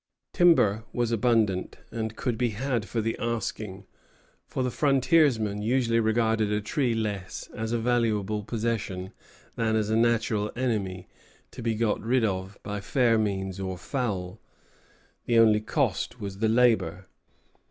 Timber was abundant and could be had for the asking; for the frontiersman usually regarded a tree less as a valuable possession than as a natural enemy, to be got rid of by fair means or foul. The only cost was the labor.